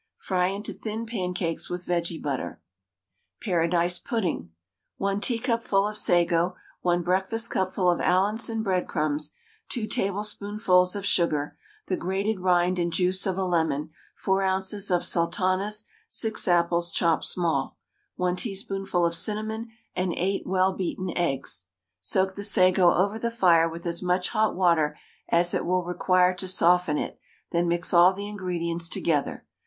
Fry into thin pancakes with vege butter. PARADISE PUDDING. 1 teacupful of sago, 1 breakfastcupful of Allinson breadcrumbs, 2 tablespoonfuls of sugar, the grated rind and juice of a lemon, 4 oz. of sultanas, 6 apples chopped small, 1 teaspoonful of cinnamon, and 8 well beaten eggs. Soak the sago over the fire with as much hot water as it will require to soften it, then mix all the ingredients together.